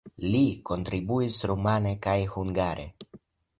Li kontribuis rumane kaj hungare.